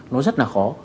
nó rất là khó